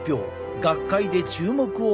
学会で注目を集めた。